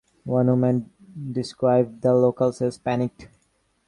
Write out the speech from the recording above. One woman described the locals as "panicked".